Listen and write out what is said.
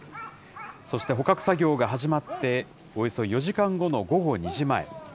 そして捕獲作業が始まって、およそ４時間後の午後２時前。